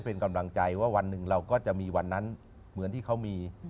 เป็นกำลังใจว่าวันหนึ่งเราก็จะมีวันนั้นเหมือนที่เขามี